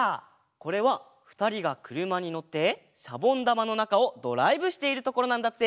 これはふたりがくるまにのってシャボンだまのなかをドライブしているところなんだって。